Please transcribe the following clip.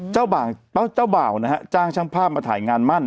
เจ้าบ่าวนะฮะจ้างช่างภาพมาถ่ายงานมั่น